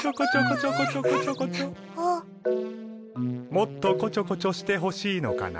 もっとこちょこちょしてほしいのかな？